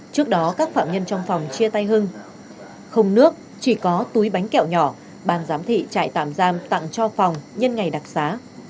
trước đó các phạm nhân trong phòng chia tay hưng không nước chỉ có túi bánh kẹo nhỏ ban giám thị trại tạm giam tặng cho phòng nhân ngày đặc xá